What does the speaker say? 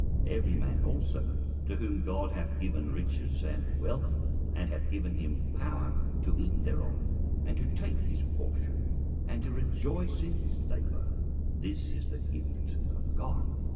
21:005:019 Every man also to whom God hath given riches and wealth, and hath given him power to eat thereof, and to take his portion, and to rejoice in his labour; this is the gift of God.